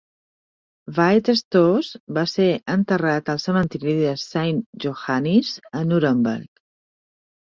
Veit Stoss va ser enterrat al cementiri de Saint Johannis a Nuremberg.